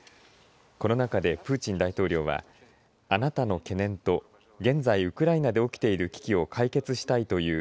この中でプーチン大統領はあなたの懸念と現在ウクライナで起きている危機を解決したいという。